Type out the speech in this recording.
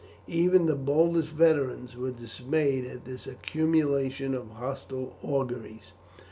Even the boldest veterans were dismayed at this accumulation of hostile auguries.